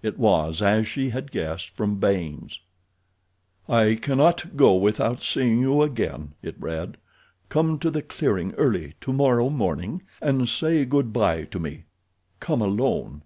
It was, as she had guessed, from Baynes. "I cannot go without seeing you again," it read. "Come to the clearing early tomorrow morning and say good bye to me. Come alone."